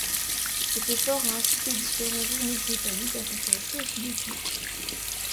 Cet effort a incité différents journaux britanniques à s'intéresser au Sudoku.